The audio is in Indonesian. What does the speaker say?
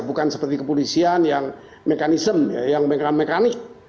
bukan seperti kepolisian yang mekanisme yang mekanik